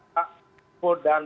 pak ma'fud dan